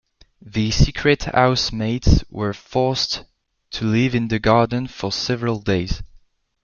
The secret housemates were forced to live in the garden for several days.